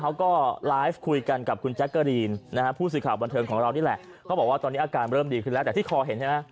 อาจเจ็ดถึงเย็นแล้วก็กินอะไรไม่ได้เลยนะคะ